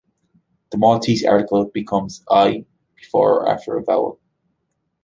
The Maltese article becomes "l-" before or after a vowel.